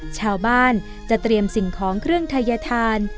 ชาวบ้านจะเตรียมสิ่งของเครื่องทัยธาน